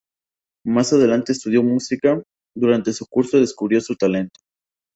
Más adelante estudió música, durante su curso descubrió su talento.